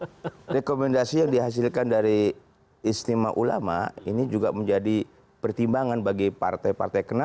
iya memang artinya rekomendasi yang dihasilkan dari istimewa ulama ini juga menjadi pertimbangan bagi partai partai kenal